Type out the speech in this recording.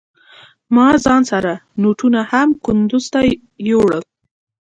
ما ځان سره نوټونه هم کندوز ته يوړل.